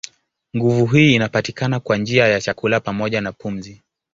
Nguvu hii inapatikana kwa njia ya chakula pamoja na pumzi.